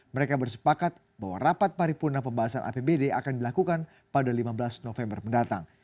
mereka bersepakat bahwa rapat paripurna pembahasan apbd akan dilakukan pada lima belas november mendatang